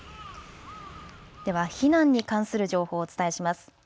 では避難に関する情報をお伝えします。